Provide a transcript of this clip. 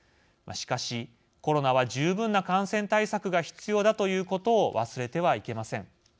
しかし、コロナは十分な感染対策が必要だということを忘れてはいけません。